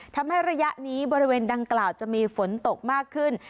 ทำให้ระยะนี้บริเวณดังกล่าวจะมีฝนตกมากขึ้น